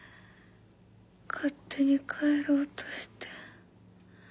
勝手に帰ろうとして。